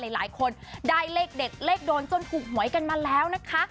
หลายคนได้เลขเด็ดเลขโดนจนถูกหวยกันมาแล้วนะคะ